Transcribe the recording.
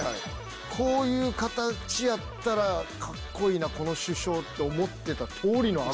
こういう形やったらカッコいいなこの主将って思ってた通りの顎。